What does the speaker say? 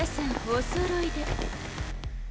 おそろいで。